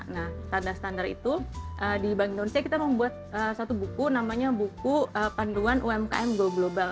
nah standar standar itu di bank indonesia kita membuat satu buku namanya buku panduan umkm go global